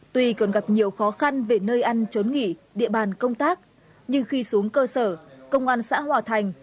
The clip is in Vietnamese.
tuy còn gặp nhiều khó khăn về nơi ăn trốn nghỉ địa bàn công tác nhưng khi xuống cơ sở công an xã hòa thành